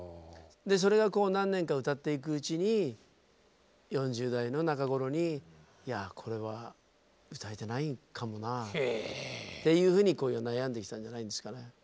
それがこう何年か歌っていくうちに４０代の中頃にいやこれは歌えてないかもなっていうふうにこう悩んできたんじゃないんですかね。